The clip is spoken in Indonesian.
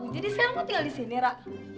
jadi saya tinggal di sini ra